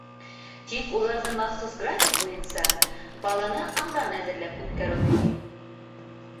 Тик уларҙы махсус график буйынса, баланы алдан әҙерләп үткәреү мөһим.